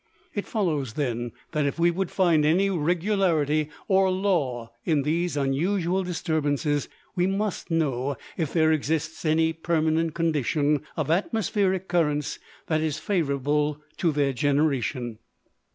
It follows then, that if we would find any regularity or law in these unusual disturbances, we must know if there exists any permanent condition of atmospheric currents that is favorable to their generation.